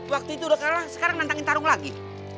waktu itu udah kalah sekarang nantangin tarung lagi